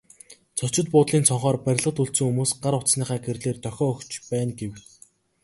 Зочид буудлын цонхоор барилгад үлдсэн хүмүүс гар утасныхаа гэрлээр дохио өгч байна гэв.